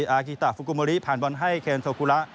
อาคิตะฟุกุโมรีผ่านบอลให้เครนโทโคละ